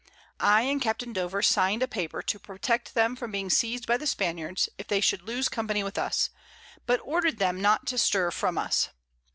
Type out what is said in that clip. I and Capt. Dover sign'd a Paper to protect them from being seiz'd by the Spaniards, if they should lose Company with us; but order'd them not to stir from us.